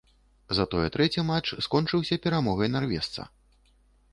Затое трэці матч скончыўся перамогай нарвежца.